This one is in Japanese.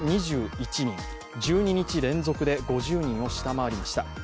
１２日連続で５０人を下回りました。